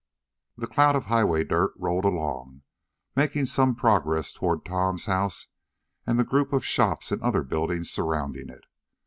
The cloud of highway dirt rolled along, making some progress toward Tom's house and the group of shops and other buildings surrounding it.